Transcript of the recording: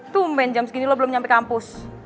tumben jam segini lo belum nyampe kampus